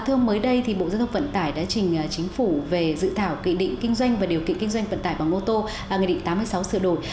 thưa ông mới đây thì bộ giao thông vận tải đã trình chính phủ về dự thảo nghị định kinh doanh và điều kiện kinh doanh vận tải bằng ô tô nghị định tám mươi sáu sửa đổi